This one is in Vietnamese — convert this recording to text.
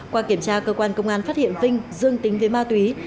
qua kiểm tra cơ quan công an phát hiện vinh dương tính với ma túy